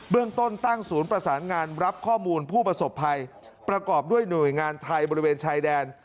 เรื่องต้นตั้งศูนย์ประสานงานรับข้อมูลผู้ประสบภัยประกอบด้วยหน่วยงานไทยบริเวณชายแดน